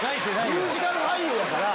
ミュージカル俳優やから。